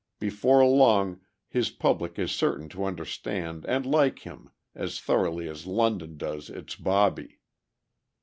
Before long his public is certain to understand and like him as thoroughly as London does its "bobby."